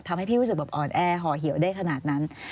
ทำให้ที่ไม่อ่อนแอเฮ้อเหี่ยวได้ขนาดนั้น